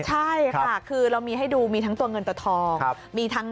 ใช่ค่ะคือเรามีให้ดูมีทั้งตัวเงินตัวทอง